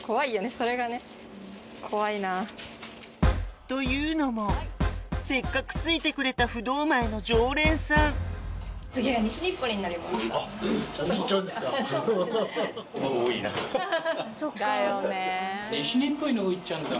それがね。というのもせっかくついてくれた不動前の常連さんハハハ。